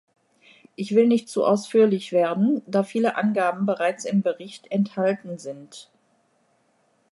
Ich will nicht zu ausführlich werden, da viele Angaben bereits im Bericht enthalten sind.